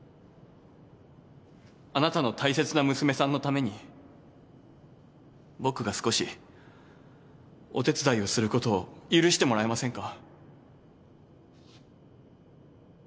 あなたの大切な娘さんのために僕が少しお手伝いをすることを許してもらえませんか？